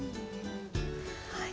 はい。